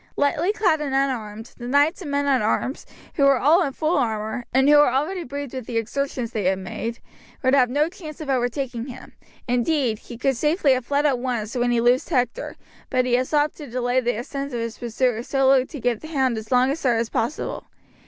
Lightly clad and unarmed, the knights and men at arms, who were all in full armour, and who were already breathed with the exertions they had made, would have no chance of overtaking him; indeed he could safely have fled at once when he loosed Hector, but he had stopped to delay the ascent of his pursuers solely to give the hound as long a start as possible.